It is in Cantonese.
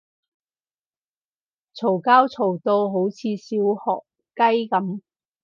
嘈交嘈到好似小學雞噉